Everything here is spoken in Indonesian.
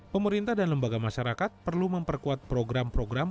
pemerintah dan lembaga masyarakat perlu memperkuat program program